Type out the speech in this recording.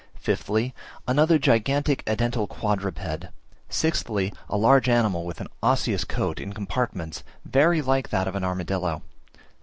Fifthly, another gigantic edental quadruped. Sixthly, a large animal, with an osseous coat in compartments, very like that of an armadillo.